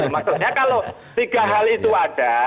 maksudnya kalau tiga hal itu ada